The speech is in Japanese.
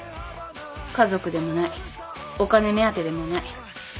家族でもないお金目当てでもない。